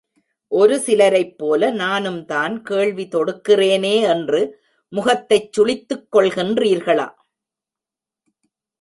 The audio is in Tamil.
ஒரு சிலரை ப்போல, நானும்தான் கேள்வி தொடுக்கிறேனே என்று முகத்தைச் சுளித்துக்கொள்கின்றீர்களா?